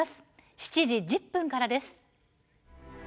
７時１０分からです。